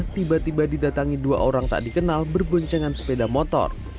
tiba tiba didatangi dua orang tak dikenal berboncengan sepeda motor